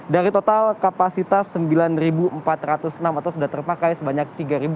dari total kapasitas sembilan empat ratus enam atau sudah terpakai sebanyak tiga lima ratus